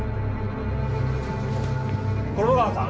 衣川さん？